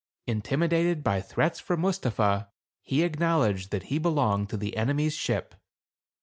Intimidated by threats from Mustapha, he acknowledged that he belonged to the enemy's ship.